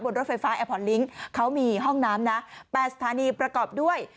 รถไฟฟ้าแอร์พอร์ตลิงค์เขามีห้องน้ำนะ๘สถานีประกอบด้วย